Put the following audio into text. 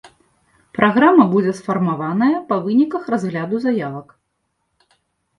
Праграма будзе сфармаваная па выніках разгляду заявак.